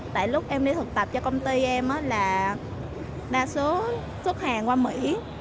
tại lúc em đi thực tập cho công ty em là đa số xuất hàng qua mỹ